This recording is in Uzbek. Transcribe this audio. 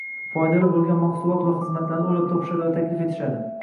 foydali bo‘lgan mahsulot va xizmatlarni o‘ylab topishadi va taklif etishadi.